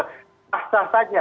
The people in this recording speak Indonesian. tak sah saja